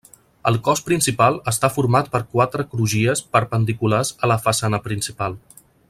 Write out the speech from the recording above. El cos principal està format per quatre crugies perpendiculars a la façana principal.